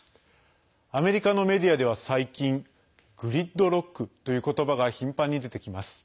アメリカのメディアでは最近Ｇｒｉｄｌｏｃｋという言葉が頻繁に出てきます。